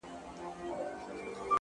لږ دي د حُسن له غروره سر ور ټیټ که ته-